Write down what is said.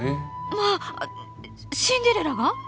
まあシンデレラが？